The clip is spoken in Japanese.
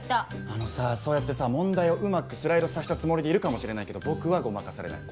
あのさそうやってさ問題をうまくスライドさせたつもりでいるかもしれないけど僕はごまかされない。